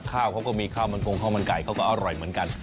ข้าวเขาก็มีข้าวมันกงข้าวมันไก่เขาก็อร่อยเหมือนกัน